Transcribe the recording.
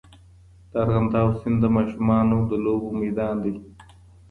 د ارغنداب سیند د ماشومانو د لوبو میدان دی.